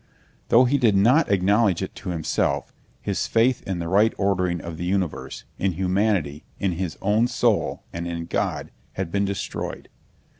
Though he did not acknowledge it to himself, his faith in the right ordering of the universe, in humanity, in his own soul, and in God, had been destroyed.